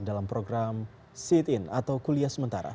dalam program sit in atau kuliah sementara